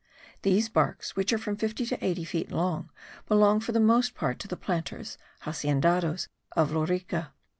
These barks, which are from fifty to eighty feet long, belong for the most part to the planters (haciendados) of Lorica.